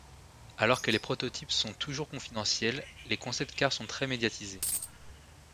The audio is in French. Alors que les prototypes sont toujours confidentiels, les concept-cars sont très médiatisés.